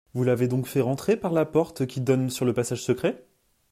Vous l’avez donc fait entrer parla porte qui donne sur le passage secret ?